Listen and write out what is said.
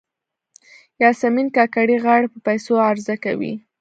یاسمین کاکړۍ غاړې په پیسو عرضه کوي.